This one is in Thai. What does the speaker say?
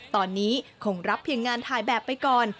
ตอนนี้คงรับเพียงงานถ่ายแบบไปก่อน